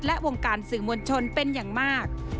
และวงการสื่อมวลชนเป็นอย่างมาก